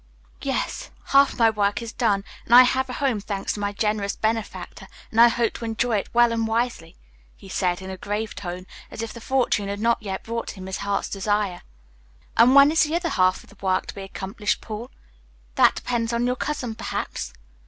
"Yes, half my work is done, and I have a home, thanks to my generous benefactor, and I hope to enjoy it well and wisely," he said in a grave tone, as if the fortune had not yet brought him his heart's desire. "And when is the other half of the work to be accomplished, Paul? That depends on your cousin, perhaps."